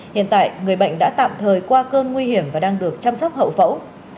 hiện tại người bệnh đã tạm thời qua cơn nguy hiểm và đang được chăm sóc hậu phẫu